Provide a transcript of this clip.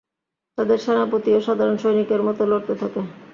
তাদের সেনাপতিও সাধারণ সৈনিকের মত লড়তে থাকে।